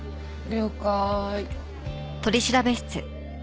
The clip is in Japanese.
了解。